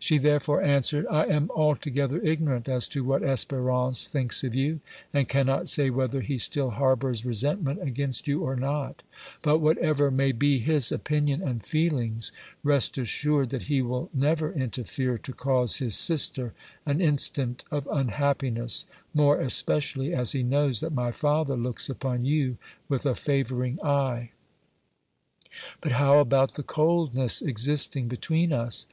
She, therefore, answered: "I am altogether ignorant as to what Espérance thinks of you, and cannot say whether he still harbors resentment against you or not; but, whatever may be his opinion and feelings, rest assured that he will never interfere to cause his sister an instant of unhappiness, more especially as he knows that my father looks upon you with a favoring eye." "But how about the coldness existing between us?"